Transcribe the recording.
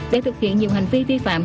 để thực hiện nhiều hành vi vi phạm